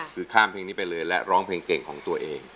คือข้ามเพลงนี้ไปเลยและร้องเพลงเก่งของตัวเอง